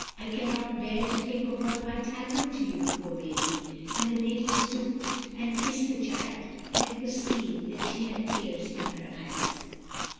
I cannot bear to think of what might have happened to you, poor baby;' and the lady stooped and kissed the child, and it was seen that she had tears in her eyes.